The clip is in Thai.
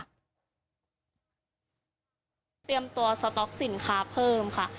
เตรียมตัวสต๊อกสินค้าเพิ่มค่ะ